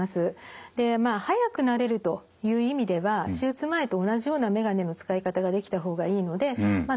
でまあ早く慣れるという意味では手術前と同じような眼鏡の使い方ができた方がいいのでまあ